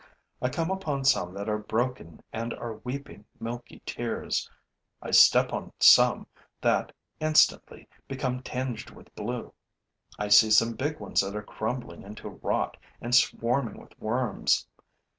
I come upon some that are broken and are weeping milky tears; I step on some that, instantly, become tinged with blue; I see some big ones that are crumbling into rot and swarming with worms.